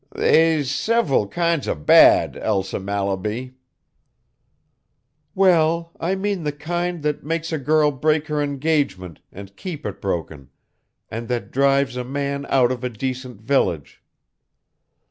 "They's several kinds of 'bad,' Elsa Mallaby." "Well, I mean the kind that makes a girl break her engagement and keep it broken, and that drives a man out of a decent village."